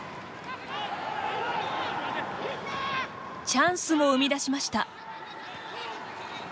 チャンスも生み出しました。